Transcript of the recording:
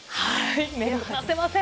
目が離せません。